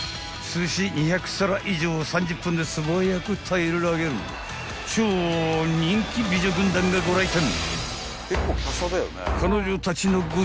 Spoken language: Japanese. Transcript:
［すし２００皿以上を３０分で素早く平らげる超人気美女軍団がご来店］